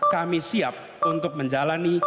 kami siap untuk menjalani